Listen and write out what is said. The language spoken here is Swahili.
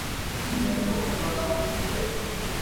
ya kwanza kwenda njia nyingine ya pili